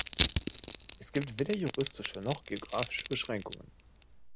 Es gibt weder juristische noch geographische Beschränkungen.